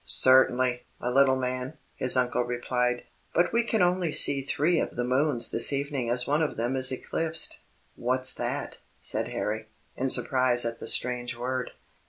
"Certainly, my little man," his uncle replied; "but we can only see three of the moons this evening as one of them is eclipsed." "What's that?" said Harry, in surprise at the strange word.